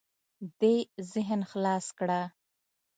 دې ذهن خلاص کړه.